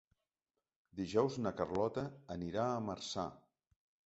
Dijous na Carlota anirà a Marçà.